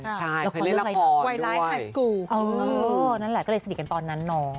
ใช่ไปเล่นละครด้วยอ๋อนั่นแหละก็เลยสนิทกันตอนนั้นน้อง